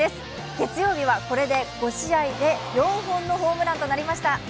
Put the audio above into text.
月曜日はこれで５試合で４本のホームランとなりました。